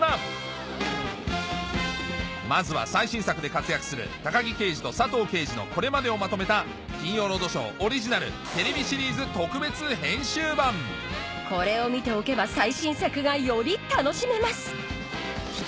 まずは最新作で活躍する高木刑事と佐藤刑事のこれまでをまとめた『金曜ロードショー』オリジナルテレビシリーズ特別編集版これを見ておけば最新作がより楽しめます